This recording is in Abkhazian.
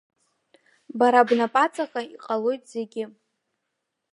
Бара бнапаҵаҟа иҟалоит зегьы.